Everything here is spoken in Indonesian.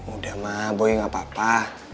udah mah boy gapapa